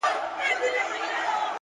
انسانیت په توره نه راځي; په ډال نه راځي;